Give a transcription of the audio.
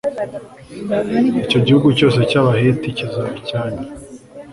icyo gihugu cyose cy'abaheti kizaba icyanyu